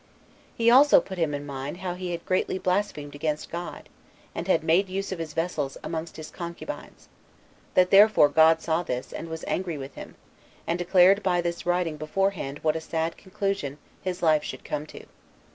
[He also put him in mind] how he had greatly blasphemed against God, and had made use of his vessels amongst his concubines; that therefore God saw this, and was angry with him, and declared by this writing beforehand what a sad conclusion of his life he should come to.